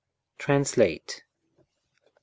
TRANSLATE l.